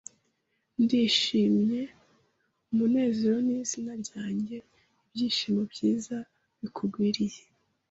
'Ndishimye, Umunezero ni izina ryanjye.' Ibyishimo byiza bikugwiririye!